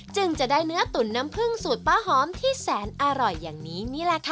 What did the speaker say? จึงจะได้เนื้อตุ๋นน้ำผึ้งสูตรป้าหอมที่แสนอร่อยอย่างนี้นี่แหละค่ะ